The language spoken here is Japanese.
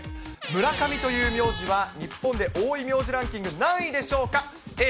村上という名字は日本で多い名字ランキング何位でしょうか。